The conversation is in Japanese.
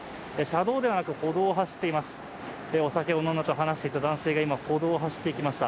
車道ではなく歩道を走っています。